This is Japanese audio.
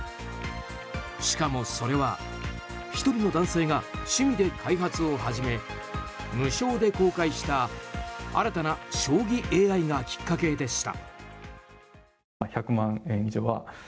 しかも、それは１人の男性が趣味で開発を始め無償で公開した新たな将棋ＡＩがきっかけでした。